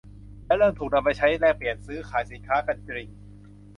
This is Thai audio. และเริ่มถูกนำไปใช้แลกเปลี่ยนซื้อขายสินค้ากันจริง